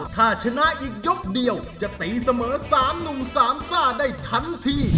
ถ้าชนะอีกยกเดียวจะตีเสมอ๓หนุ่ม๓ซ่าได้ทันที